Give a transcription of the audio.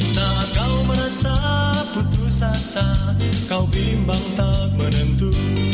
saat kau merasa putus asa kau bimbang tak menentu